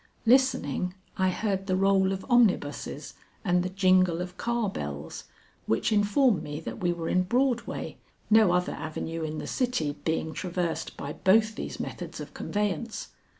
Listening, I heard the roll of omnibuses and the jingle of car bells, which informed me that we were in Broadway, no other avenue in the city being traversed by both these methods of conveyance.